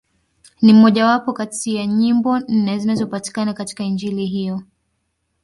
Ni mmojawapo kati ya nyimbo nne zinazopatikana katika Injili hiyo.